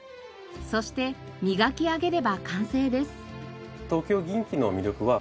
そして磨き上げれば完成です。